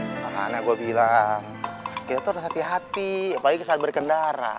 makanya gue bilang kita tuh harus hati hati apalagi saat berkendara